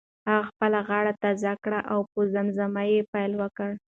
هغه خپله غاړه تازه کړه او په زمزمه یې پیل وکړ.